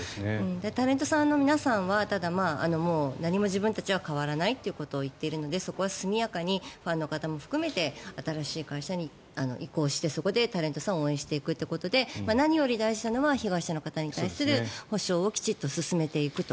タレントさんの皆さんはもう何も、自分たちは変わらないということを言っているのでそこは速やかにファンの方も含めて新しい会社に移行してそこでタレントさんを応援していくということで何より大事なのは被害者の方に対する補償をきちっと進めていくと。